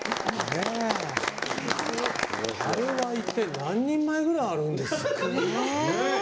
あれは、一体何人前ぐらいあるんですかね。